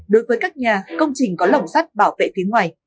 đối với các nhà công trình có lồng sắt bảo vệ phía ngoài